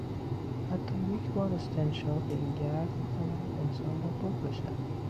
حتی یک بار استنشاق این گرد میتواند انسان را بکشد.